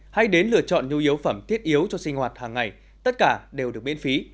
hay đến lựa chọn nhu yếu phẩm thiết yếu cho sinh hoạt hàng ngày tất cả đều được miễn phí